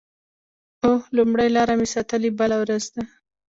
اوه…لومړۍ لاره مې ساتلې بلې ورځ ته